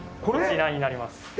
こちらになります。